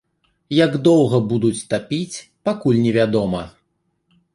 Як доўга будуць тапіць, пакуль не вядома.